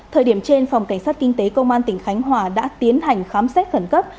thời điểm trên phòng cảnh sát kinh tế công an tỉnh khánh hòa đã tiến hành khám xét khẩn cấp